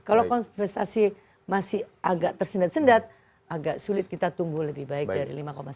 kalau konvestasi masih agak tersendat sendat agak sulit kita tumbuh lebih baik dari lima sembilan